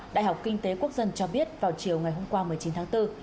đại học kinh tế quốc dân cho biết vào chiều ngày hôm qua một mươi chín tháng bốn